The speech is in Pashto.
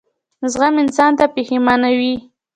زغم انسان نه پښېمانوي.